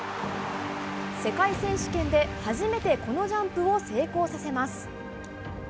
世界選手権で初めてこのジャンプを成功させます。